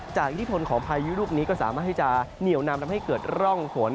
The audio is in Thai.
อิทธิพลของพายุลูกนี้ก็สามารถที่จะเหนียวนำทำให้เกิดร่องฝน